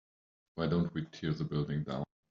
why don't we tear the building down?